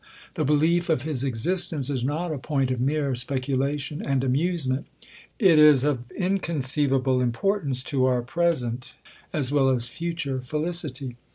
Thebelief of his existence is not a point of mere spec ulation and amusement. It is of inconceivable import ance to our present, as well as future felicity.